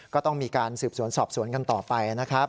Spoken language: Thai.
ก็ต้องมีการสืบสวนสอบสวนกันต่อไปนะครับ